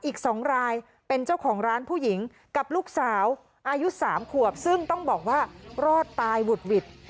อีก๒รายเป็นเจ้าของร้านผู้หญิงกับลูกสาวอายุ๓ขวบซึ่งต้องบอกว่ารอดตายหวุดหวิด